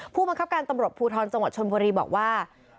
ผู้บังคับการตำรวจภูทรจังหวัดชนบุรีบอกว่า